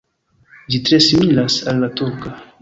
Ĝi tre similas al la turka.